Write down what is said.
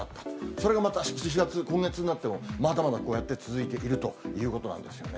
それがまた４月、今月になっても、まだまだこうやって続いているということなんですよね。